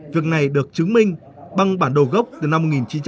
việc này được chứng minh bằng bản đồ gốc từ năm một nghìn chín trăm chín mươi hai